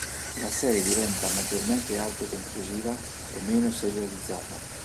La serie diventa maggiormente auto-conclusiva e meno serializzata.